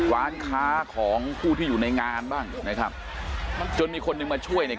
ร้านค้าของผู้ที่อยู่ในงานบ้างนะครับจนมีคนหนึ่งมาช่วยเนี่ย